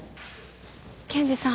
検事さん